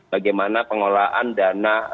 bagaimana pengelolaan dana